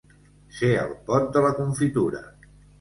Ser el pot de la confitura.